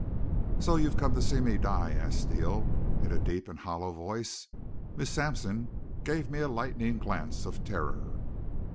"So you've come to see me die?" asked Steele in a deep and hollow voice. Miss Sampson gave me a lightning glance of terror.